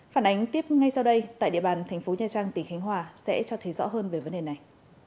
phản ánh tiếp ngay sau đây tại địa bàn thành phố nha trang tỉnh khánh hòa sẽ cho thấy rõ hơn về vấn đề này